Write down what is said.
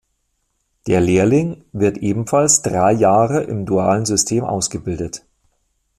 Der Lehrling wird ebenfalls drei Jahre im dualen System ausgebildet.